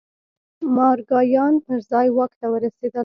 مارګایان پر ځای واک ته ورسېدل.